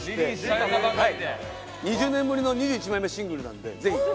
２０年ぶりの２１枚目シングルなんでぜひぜひ。